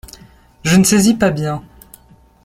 Je ne saisis pas bien.